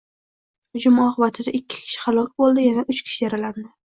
Hujum oqibatida ikki kishi halok bo‘ldi, yana uch kishi yaralandi